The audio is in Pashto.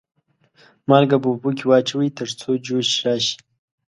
مالګه په اوبو کې واچوئ تر څو جوش راشي.